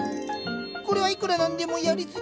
これはいくらなんでもやりすぎ！